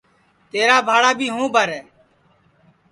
تیرا بھاڑا بھی ہوں بھرے